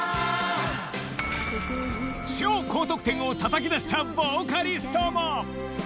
超高得点をたたき出したボーカリストも